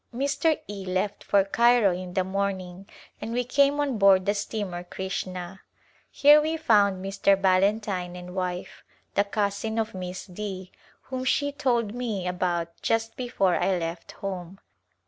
Mr. E left for Cairo in the morning and we came on board the steamer Krishna. Here we found [•7] A Glimpse of India Mr. Ballentine and wife, the cousin of Miss D whom she told me about just before I left home.